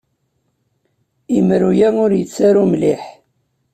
Imru-a ur yettaru mliḥ.